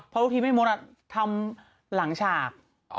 เพราะที่แม่มดทำหลังฉาก